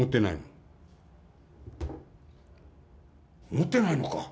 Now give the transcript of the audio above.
「持ってないのか」。